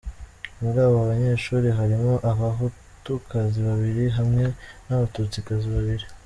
Muri abo banyeshuri harimo abahutukazi babiri, hamwe n’abatutsikazi babiri.